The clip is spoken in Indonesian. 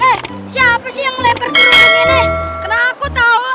eh siapa sih yang lempar kerudung ini kenapa aku tahu